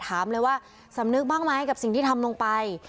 ถามเลยว่าสำนึกบ้างไหมกับสิ่งที่ทำลงไป